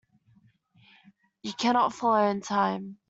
You cannot follow in time.